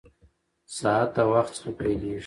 ساعت د وخت څخه پېلېږي.